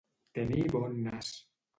Tenir bon nas.